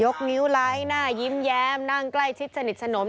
นิ้วไลค์หน้ายิ้มแย้มนั่งใกล้ชิดสนิทสนม